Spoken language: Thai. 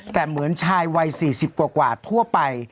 แต่เหมือนชายวัย๔๐กว่าทั่วไป